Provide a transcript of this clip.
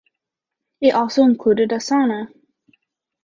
It also included a sauna.